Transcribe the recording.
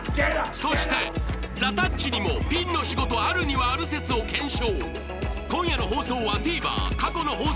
そしてザ・たっちにもピンの仕事あるにはある説を検証